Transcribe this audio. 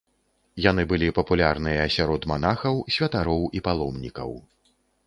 Яны былі папулярныя сярод манахаў, святароў і паломнікаў.